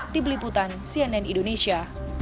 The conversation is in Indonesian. di beliputan cnn indonesia